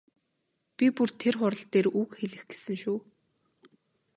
Би бүр тэр хурал дээр үг хэлэх гэсэн шүү.